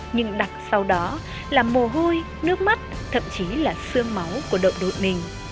nhưng đặt sau đó là mồ hôi nước mắt thậm chí là sương máu của đội đội mình